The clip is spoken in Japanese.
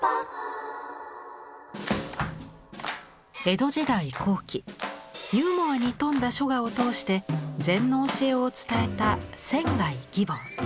江戸時代後期ユーモアに富んだ書画を通して禅の教えを伝えた仙義梵。